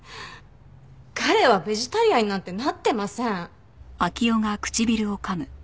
彼はベジタリアンになんてなってません。